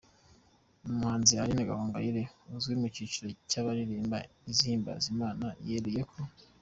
Umuhanzi Aline Gahongayire uzwi mu cyiciro cy’abaririmba izihimbaza Imana yeruye ko.